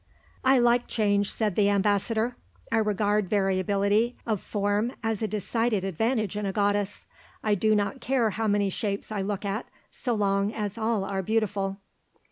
"I like change," said the Ambassador. "I regard variability of form as a decided advantage in a goddess. I do not care how many shapes I look at, so long as all are beautiful."